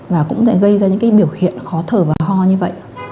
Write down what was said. và cũng sẽ gây ra những cái biểu hiện khó thở và ho như vậy